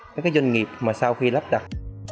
các doanh nghiệp mà sau khi lắp đặt